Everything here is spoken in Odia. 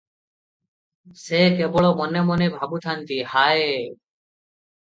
ସେ କେବଳ ମନେ ମନେ ଭାବୁଥାନ୍ତି "ହାୟ!